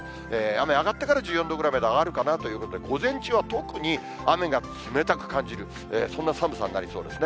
雨上がってから１４度ぐらいまで上がるかなということで、午前中は特に雨が冷たく感じる、そんな寒さになりそうですね。